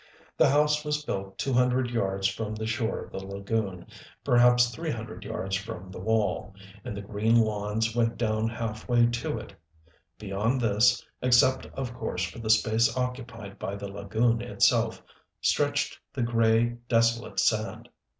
The house was built two hundred yards from the shore of the lagoon, perhaps three hundred yards from the wall, and the green lawns went down half way to it. Beyond this except of course for the space occupied by the lagoon itself stretched the gray, desolate sand.